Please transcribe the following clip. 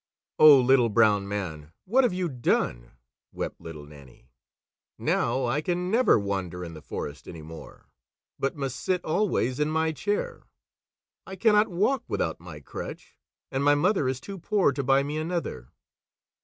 "Oh, Little Brown Man, what have you done!" wept Little Nannie. "Now I can never wander in the forest any more, but must sit always in my chair. I cannot walk without my crutch, and my mother is too poor to buy me another."